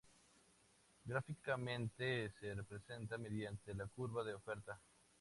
Gráficamente se representa mediante la curva de oferta.